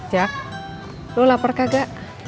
jak lu lapar kagak